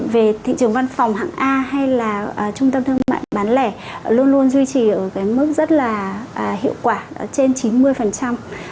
về thị trường văn phòng hạng a hay là trung tâm thương mại bán lẻ luôn luôn duy trì ở cái mức rất là hiệu quả trên chín mươi